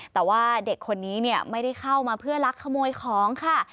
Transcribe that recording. แต่ว่าเด็กคนนี้ไม่ได้เข้ามาเพื่อลักขโมยของค่ะ